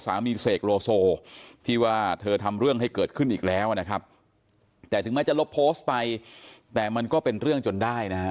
เสนีเสกโลโซที่ว่าเธอทำเรื่องให้เกิดขึ้นอีกแล้วนะครับแต่ถึงแม้จะลบโพสต์ไปแต่มันก็เป็นเรื่องจนได้นะฮะ